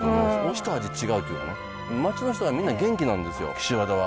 一味違うというかね町の人がみんな元気なんですよ岸和田は。